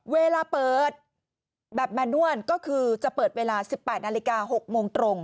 เวลาเปิดแบบแมนวลก็คือจะเปิดเวลา๑๘นาฬิกา๖โมงตรง